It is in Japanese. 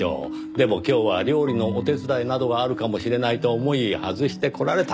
でも今日は料理のお手伝いなどがあるかもしれないと思い外してこられた。